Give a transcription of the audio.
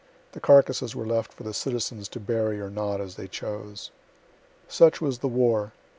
The carcasses were left for the citizens to bury or not, as they chose.) Such was the war.